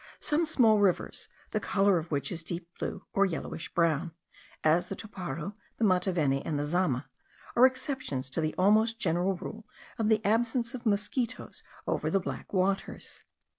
Some small rivers, the colour of which is deep blue, or yellowish brown (as the Toparo, the Mataveni, and the Zama), are exceptions to the almost general rule of the absence of mosquitos over the black waters.